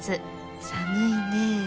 寒いねえ。